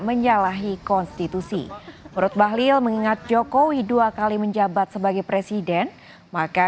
menyalahi konstitusi menurut bahlil mengingat jokowi dua kali menjabat sebagai presiden maka